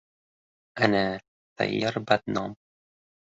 Ana, tayyor badnom!